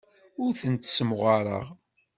Ur tent-ssemɣareɣ.